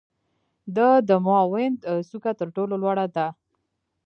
د دماوند څوکه تر ټولو لوړه ده.